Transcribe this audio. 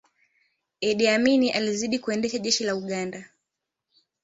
iddi amini alizidi kuliendesha jeshi la uganda